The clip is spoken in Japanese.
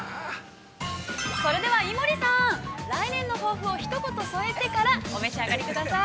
◆それでは井森さん、来年の抱負をひと言、添えてからお召し上がりください。